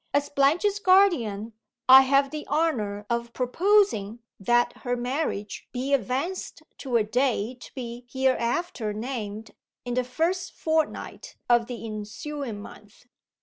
As Blanche's guardian, I have the honor of proposing that her marriage be advanced to a day to be hereafter named in the first fortnight of the ensuing month."